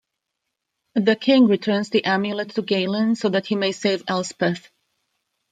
The King returns the amulet to Galen so that he might save Elspeth.